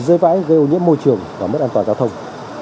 rơi vãi gây ô nhiễm môi trường và mất an toàn giao thông